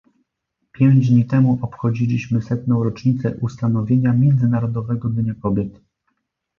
Pięć dni temu obchodziliśmy setną rocznicę ustanowienia Międzynarodowego Dnia Kobiet